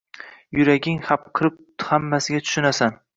Yuraging hapriqib hammasiga tushunasan.